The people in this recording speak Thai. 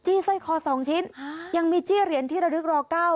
สร้อยคอสองชิ้นยังมีจี้เหรียญที่ระลึกรอเก้า